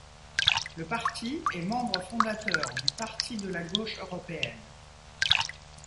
Le parti est membre fondateur du Parti de la gauche européenne.